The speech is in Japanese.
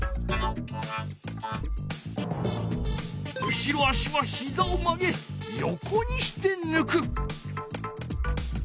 後ろ足はひざを曲げ横にしてぬく。